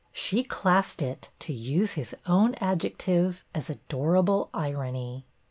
She classed it, to use his own adjective, as adorable '' irony.